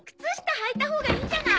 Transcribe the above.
履いたほうがいいんじゃない？